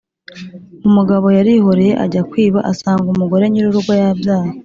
Umugabo yarihoreye ajya kwiba, asanga umugore nyirurugo yabyaye